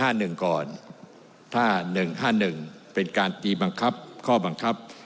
ถ้าหนึ่งก่อนถ้าหนึ่งห้าหนึ่งเป็นการตีบังคับข้อบังคับ